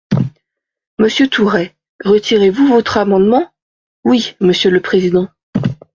Monsieur Tourret, retirez-vous votre amendement ? Oui, monsieur le président.